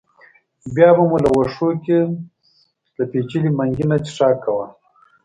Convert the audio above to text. بیا به مو له وښو کې له پېچلي منګي نه څښاک کاوه.